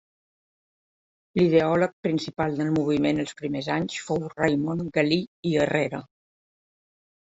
L'ideòleg principal del moviment els primers anys fou Raimon Galí i Herrera.